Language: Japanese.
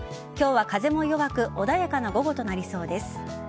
今日は風も弱く穏やかな午後となりそうです。